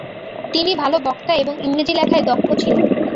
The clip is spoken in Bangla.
তিনি ভাল বক্তা এবং ইংরেজি লেখায় দক্ষ ছিলেন ।